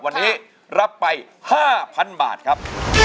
วันนี้รับไปห้าพันบาทครับ